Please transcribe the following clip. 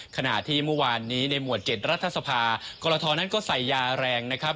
ขณะที่เมื่อวานนี้ในหมวด๗รัฐสภากรทนั้นก็ใส่ยาแรงนะครับ